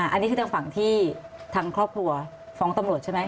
อันนี้คือทางฝั่งที่ทางครอบครัวฟ้องตำรวจใช่ไหม